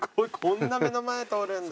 こんな目の前通るんだ。